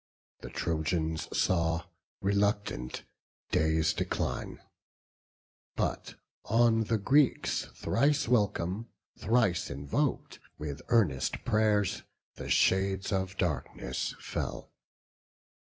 The Trojans saw, reluctant, day's decline; But on the Greeks thrice welcome, thrice invoked With earnest prayers, the shades of darkness fell.